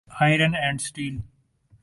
iron and steel